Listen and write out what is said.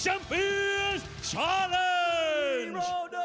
สวัสดีครับทุกคน